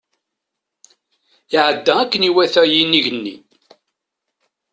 Iɛedda akken iwata yinig-nni.